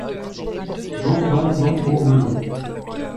Don don don Pour Meudon.